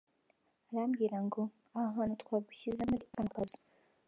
arambwira ngo ‘aha hantu twagushyize muri kano kazu